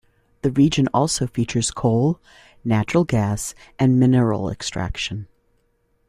The region also features coal, natural gas, and mineral extraction.